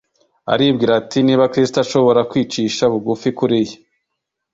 Aribwira ati: niba Kristo ashobora kwicisha bugufi kuriya